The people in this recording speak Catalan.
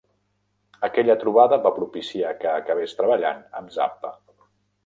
Aquella trobada va propiciar que acabés treballant amb Zappa.